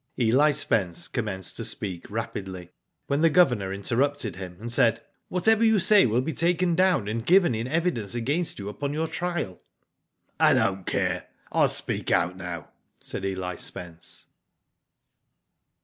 Eli Spence commenced to speak rapidly, when the Governor interrupted him, and said :" Whatever you say will be taken down and given in evidence against you upon your trial." "I don't care. Til speak out now," said EH Spence.